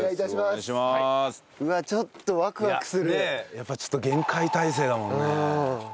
やっぱりちょっと厳戒態勢だもんね。